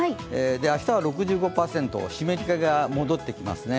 明日は６５％、湿りけが戻ってきますね。